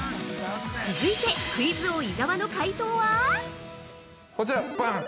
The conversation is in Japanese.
◆続いてクイズ王・伊沢の解答は？